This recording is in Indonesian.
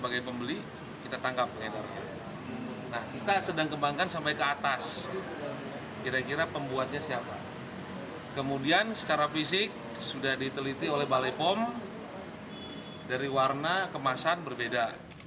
kemudian secara fisik sudah diteliti oleh balai pom dari warna kemasan berbeda